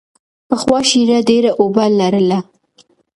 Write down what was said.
پخوا شیره ډېره اوبه لرله.